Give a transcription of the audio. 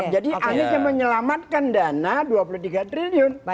jadi anies yang menyelamatkan dana dua puluh tiga triliun